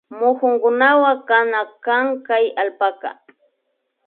Mukunkunawan kana kan kay allpaka